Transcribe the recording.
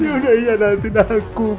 dia udah ingat nanti naku